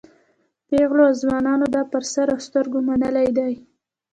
پېغلو او ځوانانو دا په سر او سترګو منلی دی.